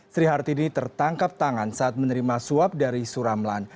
sri hartini tertangkap tangan saat menerima suap dari suramlan